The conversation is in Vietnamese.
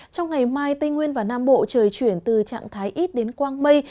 trong ngày mai tây nguyên và nam bộ trời chuyển từ trạng thái ít đến quang mây